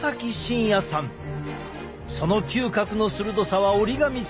その嗅覚の鋭さは折り紙付き。